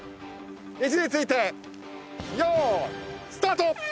位置についてよーいスタート！